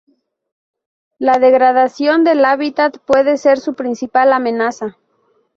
La degradación del hábitat puede ser su principal amenaza.